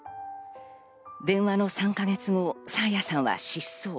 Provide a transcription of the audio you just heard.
電話の３か月後、爽彩さんは失踪。